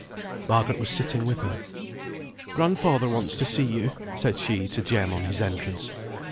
Margaret was sitting with her. "Grandfather wants to see you!" said she to Jem on his entrance.